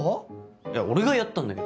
いや俺がやったんだけど。